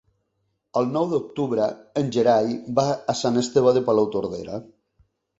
El nou d'octubre en Gerai va a Sant Esteve de Palautordera.